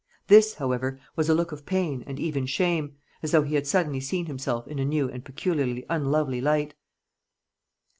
This, however, was a look of pain and even shame, as though he had suddenly seen himself in a new and peculiarly unlovely light.